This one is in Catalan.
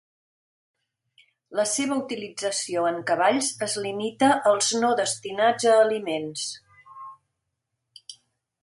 La seva utilització en cavalls es limita als no destinats a aliments.